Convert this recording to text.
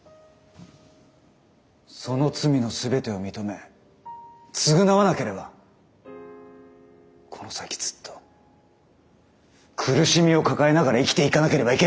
その罪の全てを認め償わなければこの先ずっと苦しみを抱えながら生きていかなければいけないんですよ。